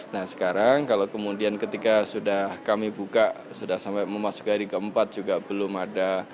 nah sekarang kalau kemudian ketika sudah kami buka sudah sampai memasuki hari keempat juga belum ada